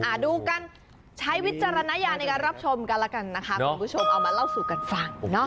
ดูกันใช้วิจารณญาณในการรับชมกันแล้วกันนะคะคุณผู้ชมเอามาเล่าสู่กันฟังเนาะ